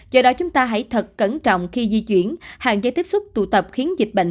do đó chúng ta hãy thật cẩn trọng khi di chuyển hạn chế tiếp xúc tụ tập khiến dịch bệnh